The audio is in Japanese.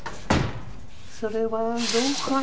それはどうかな？